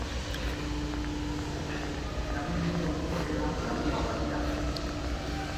arize nabuze icyo mukorera ndamubabarira